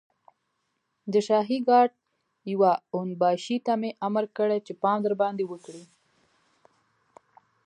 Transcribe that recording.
د شاهي ګارډ يوه اون باشي ته مې امر کړی چې پام درباندې وکړي.